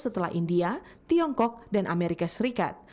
setelah india tiongkok dan amerika serikat